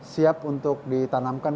siap untuk ditanamkan